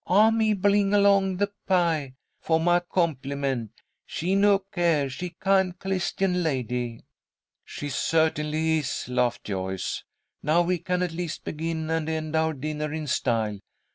"I, me, bling along the pie, for my compli_ment_. She no care. She kind, Clistian lady." "She certainly is," laughed Joyce. "Now we can at least begin and end our dinner in style.